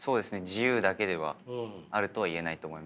自由だけではあるとは言えないと思います。